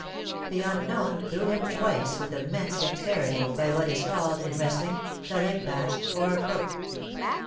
The unknown threw him twice with immense dexterity, by what is called, in wrestling, the leg pass, or crook.